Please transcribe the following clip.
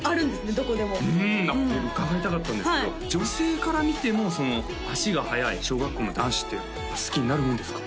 どこでもうん伺いたかったんですけど女性から見ても足が速い小学校の男子って好きになるもんですか？